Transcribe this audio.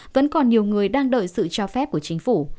vẫn còn nhiều người đang đợi sự cho phép của chính phủ